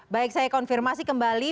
baik saya konfirmasi kembali